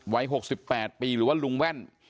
วัย๖๘ปีหรือว่าลุงแว่น